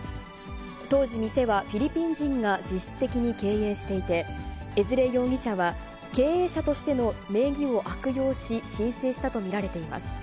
当時、店はフィリピン人が実質的に経営していて、江連容疑者は経営者としての名義を悪用し、申請したと見られています。